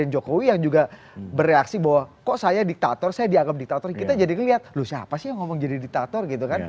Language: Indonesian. jadi kalau saya dianggap diktator kita jadi melihat siapa sih yang ngomong jadi diktator gitu kan